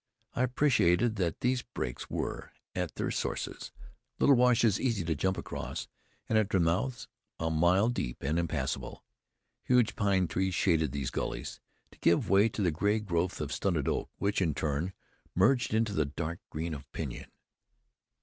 I appreciated that these breaks were, at their sources, little washes easy to jump across, and at their mouths a mile deep and impassable. Huge pine trees shaded these gullies, to give way to the gray growth of stunted oak, which in turn merged into the dark green of pinyon.